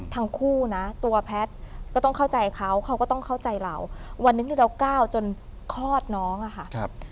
ทั้งคู่นะตัวแพทย์ก็ต้องเข้าใจเขาเขาก็ต้องเข้าใจเราวันหนึ่งที่เราก้าวจนคลอดน้องอะค่ะ